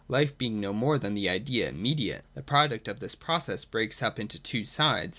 Life being no more than the idea immediate, the product of this process breaks up into two sides.